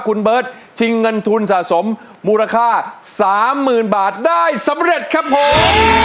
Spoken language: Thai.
คุณเบิร์ตชิงเงินทุนสะสมมูลค่า๓๐๐๐บาทได้สำเร็จครับผม